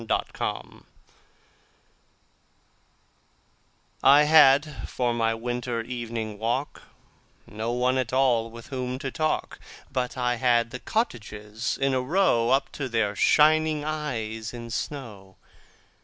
Good Hours I HAD for my winter evening walk No one at all with whom to talk, But I had the cottages in a row Up to their shining eyes in snow.